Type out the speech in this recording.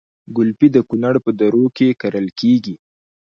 ګلپي د کونړ په درو کې کرل کیږي